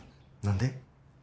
何で？